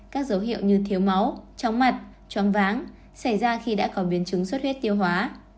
các dấu hiệu như thiếu máu tróng mặt tróng váng xảy ra khi đã có biến chứng suất huyết tiêu hóa